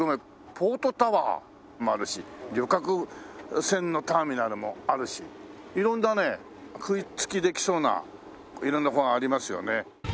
ポートタワーもあるし旅客船のターミナルもあるし色んなね食いつきできそうな色んなありますよね。